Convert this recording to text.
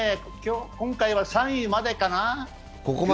今回は３位までかな、年間。